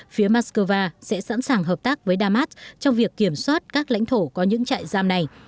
phía moscow sẽ sẵn sàng hợp tác với damas trong việc kiểm soát các lãnh thổ có những trại giam này